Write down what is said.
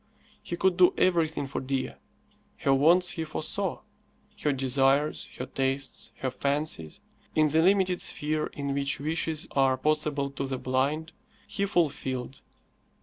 He could do everything for Dea. Her wants he foresaw; her desires, her tastes, her fancies, in the limited sphere in which wishes are possible to the blind, he fulfilled.